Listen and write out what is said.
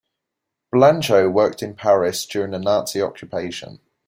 Blanchot worked in Paris during the Nazi occupation.